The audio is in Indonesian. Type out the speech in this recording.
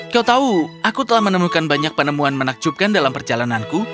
kau tahu aku telah menemukan banyak penemuan menakjubkan dalam perjalananku